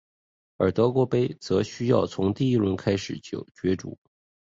而德国杯则需要从第一轮开始角逐。